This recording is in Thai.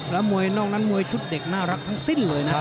แล้วมวยนอกนั้นมวยชุดเด็กน่ารักทั้งสิ้นเลยนะครับ